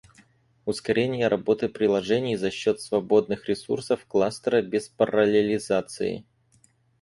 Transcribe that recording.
Ускорение работы приложений за счет свободных ресурсов кластера без параллелизации